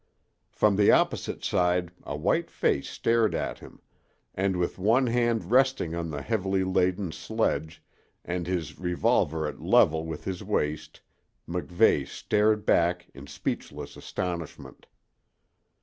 From the opposite side a white face stared at him, and with one hand resting on the heavily laden sledge, and his revolver at level with his waist, MacVeigh stared back in speechless astonishment.